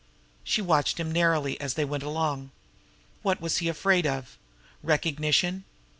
She watched him narrowly as they went along. What was he afraid of? Recognition?